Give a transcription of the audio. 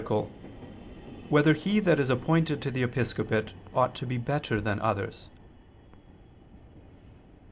3] Whether He That Is Appointed to the Episcopate Ought to Be Better Than Others?